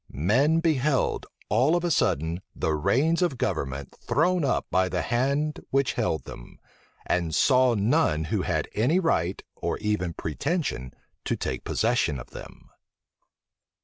Men beheld, all of a sudden, the reins of government thrown up by the hand which held them; and saw none who had any right, or even pretension, to take possession of them.